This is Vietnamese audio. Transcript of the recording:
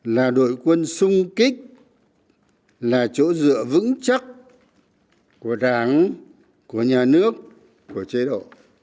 là đội quân sung kích là chỗ dựa vững chắc của đảng của nhà nước của chế độ